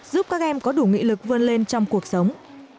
giúp các em có đủ nghị lực vươn lên trong cuộc sống